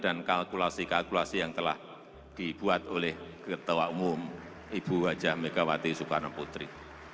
dan kalkulasi kalkulasi yang telah dibuat oleh ketua umum ibu wajah megawati sukarno putri